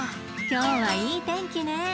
今日はいい天気ね。